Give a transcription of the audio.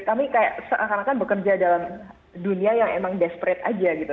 kami kayak seakan akan bekerja dalam dunia yang emang desperate aja gitu